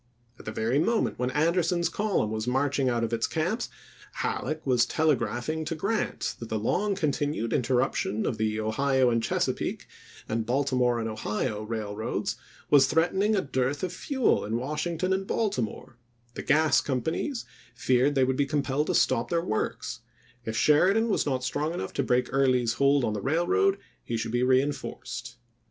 At the very moment when Anderson's column was marching out of its camps, Halleck was telegraph ing to Grant that the long continued interruption of the Ohio and Chesapeake and Baltimore and Ohio Railroads was threatening a dearth of fuel in Washington and Baltimore; the gas companies feared they would be compelled to stop their works; if Sheridan was not strong enough to break Early's hold on the railroad, he should be reenforced.